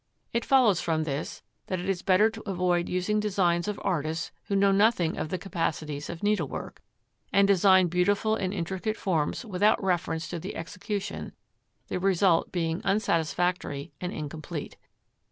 It follows from this, that it is better to avoid using designs of artists who know nothing of the capacities of needlework, and design beautiful and intricate forms without reference to the execution, the result being unsatisfactory and incomplete.